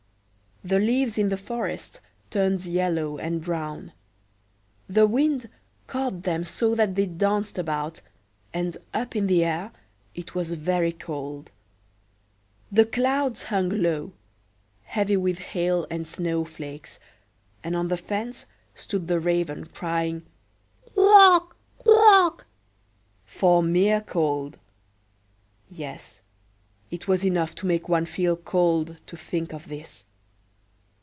The leaves in the forest turned yellow and brown; the wind caught them so that they danced about, and up in the air it was very cold. The clouds hung low, heavy with hail and snow flakes, and on the fence stood the raven, crying, "Croak! croak!" for mere cold; yes, it was enough to make one feel cold to think of this.